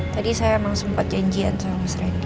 tadi saya memang sempat janjian sama mas randy